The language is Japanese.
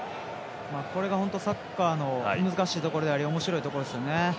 これがサッカーの難しいところでありおもしろいところです。